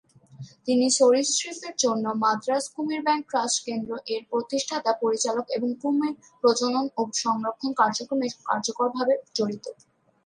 তিনি 'সরীসৃপের জন্য মাদ্রাজ কুমির ব্যাংক ট্রাস্ট কেন্দ্র'-এর প্রতিষ্ঠাতা-পরিচালক, এবং কুমির প্রজনন ও সংরক্ষণ কার্যক্রমে কার্যকরভাবে জড়িত।